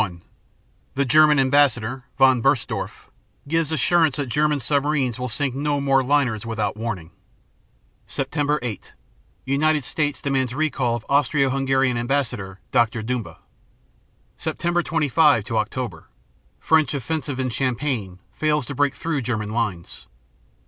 1 The German ambassador, von Bernstorff, gives assurance that German submarines will sink no more liners without warning._ Sept. 8 United States demands recall of Austro Hungarian ambassador, Dr. Dumba. Sept. 25 French offensive in Champagne fails to break through German Oct. lines.